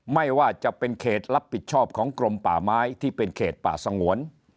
ไม่ว่าจะเป็นเขตรับผิดชอบของกรมป่าไม้ที่เป็นเขตป่าสงวน